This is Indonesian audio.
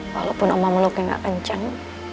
walaupun omah melukai enggak kencang